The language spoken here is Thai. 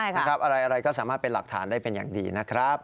อะไรก็สามารถเป็นหลักฐานได้เป็นอย่างดีนะครับ